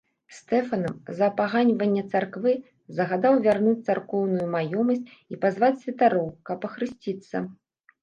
Стэфанам за апаганьванне царквы, загадаў вярнуць царкоўную маёмасць і пазваць святароў, каб ахрысціцца.